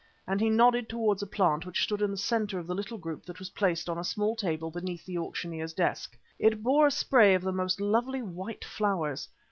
and he nodded towards a plant which stood in the centre of the little group that was placed on the small table beneath the auctioneer's desk. It bore a spray of the most lovely white flowers.